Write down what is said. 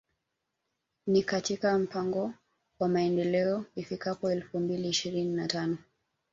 Ni katika mpango wa Maendeleo ifikapo elfu mbili ishirini na tano